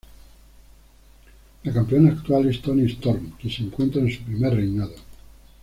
La campeona actual es Toni Storm, quien se encuentra en su primer reinado.